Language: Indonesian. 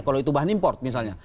kalau itu bahan import misalnya